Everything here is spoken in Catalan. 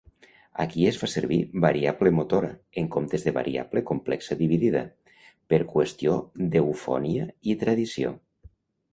Aquí es fa servir "variable motora" en comptes de "variable complexa dividida" per qüestió d'eufonia i tradició.